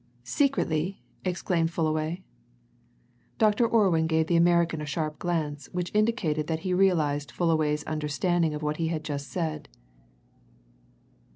"Secretly!" exclaimed Fullaway. Dr. Orwin gave the American a sharp glance which indicated that he realized Fullaway's understanding of what he had just said.